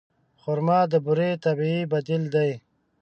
خرما د بوري طبیعي بدیل دی.